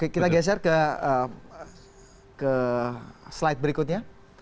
kita geser ke slide berikutnya